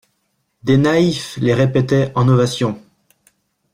Des naïfs les répétaient en ovation.